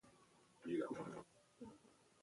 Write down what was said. موږ به یې په ګډه اباد کړو.